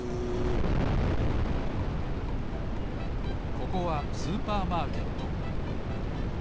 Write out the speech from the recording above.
ここはスーパーマーケット。